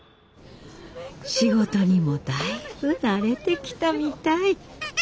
仕事にもだいぶ慣れてきたみたい。